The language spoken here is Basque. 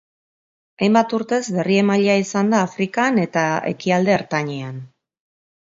Hainbat urtez berriemailea izan da Afrikan eta Ekialde Ertainean.